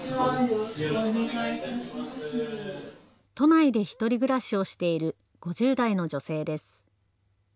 都内で独り暮らしをしている５０代の女性です。